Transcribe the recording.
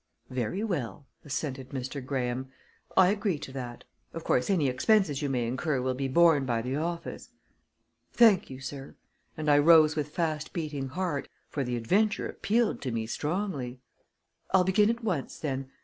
"Very well," assented Mr. Graham. "I agree to that. Of course, any expenses you may incur will be borne by the office." "Thank you, sir," and I rose with fast beating heart, for the adventure appealed to me strongly. "I'll begin at once then.